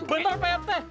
bentar pak rt